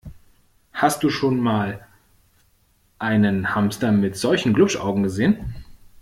Hast du schon mal einen Hamster mit solchen Glupschaugen gesehen?